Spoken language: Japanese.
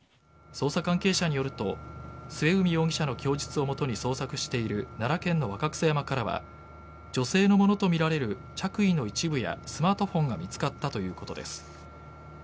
捜査関係者によると末海容疑者の供述をもとに捜索している奈良県の若草山からは女性のものとみられる着衣の一部やスマートフォンが見つかったということです。